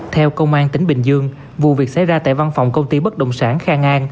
theo công an tỉnh bình dương vụ việc xảy ra tại văn phòng công ty bất động sản khang an